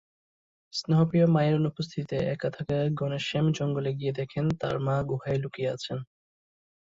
স্নেহপ্রিয় মায়ের অনুপস্থিতিতে একা থাকা ঘনশ্যাম জঙ্গলে গিয়ে দেখেন তার মা গুহায় লুকিয়ে আছেন।